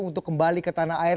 untuk kembali ke tanah air